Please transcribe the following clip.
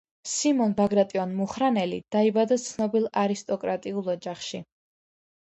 სიმონ ბაგრატიონ-მუხრანელი დაიბადა ცნობილ არისტოკრატულ ოჯახში.